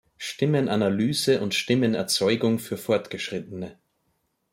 Stimmen Analyse und Stimmenerzeugung für Fortgeschrittene.